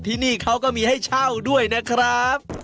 ที่นี่เขาก็มีให้เช่าด้วยนะครับ